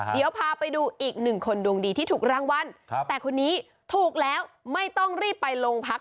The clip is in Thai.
เดี๋ยวพาไปดูอีกหนึ่งคนดวงดีที่ถูกรางวัลแต่คนนี้ถูกแล้วไม่ต้องรีบไปโรงพัก